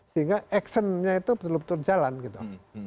sehingga actionnya itu betul betul jalan gitu